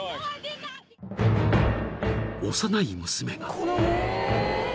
［幼い娘が］